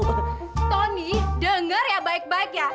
tony dengar ya baik baik ya